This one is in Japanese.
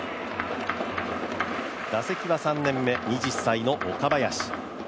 打席は３年目、２０歳の岡林。